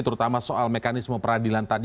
terutama soal mekanisme peradilan tadi